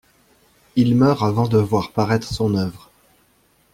Il meurt avant de voir paraître son œuvre.